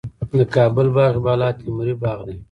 د کابل باغ بالا تیموري باغ دی